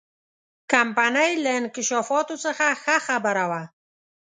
کمپنۍ له انکشافاتو څخه ښه خبره وه.